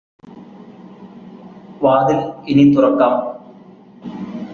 വാതില് ഇനി തുറക്കാം